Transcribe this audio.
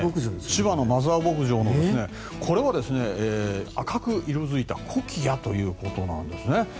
千葉のマザー牧場のこれは赤く色付いたコキアということなんですね。